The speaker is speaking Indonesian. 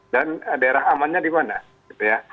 dan daerah amannya di mana gitu ya